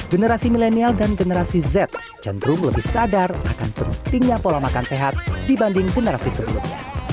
generasi milenial dan generasi z cenderung lebih sadar akan pentingnya pola makan sehat dibanding generasi sebelumnya